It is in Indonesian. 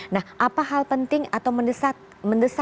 nah apa hal penting atau menesankan agama